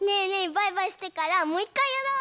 バイバイしてからもういっかいやろう！